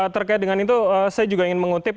terkait dengan itu saya juga ingin mengutip